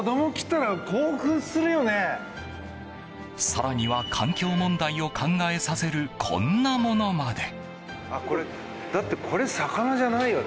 更には環境問題を考えさせるこんなものまで。